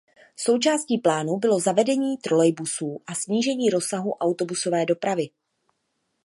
Součástí plánu bylo zavedení trolejbusů a snížení rozsahu autobusové dopravy.